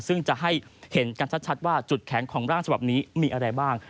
ซึ่งจะให้เห็นกันชัดว่าจุดแขนของร่างฉบับนี้มีอะไรบ้าง